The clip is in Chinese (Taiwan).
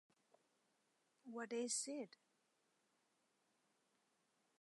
我也有卡帶的錄音帶